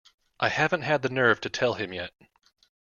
I haven't had the nerve to tell him yet.